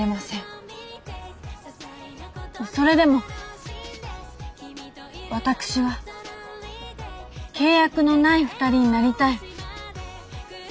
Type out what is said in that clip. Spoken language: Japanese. それでも私は契約のない二人になりたい。